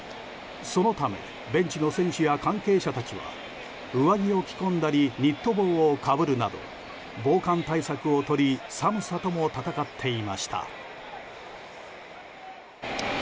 そのためベンチの選手や関係者たちは上着を着こんだりニット帽をかぶるなど防寒対策をとり寒さとも戦っていました。